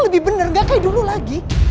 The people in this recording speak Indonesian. lebih bener gak kayak dulu lagi